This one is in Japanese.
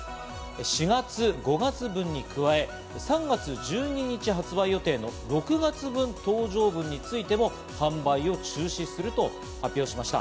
４月、５月分に加えて３月１２日発売予定の６月搭乗分についても販売を中止すると発表しました。